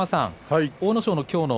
阿武咲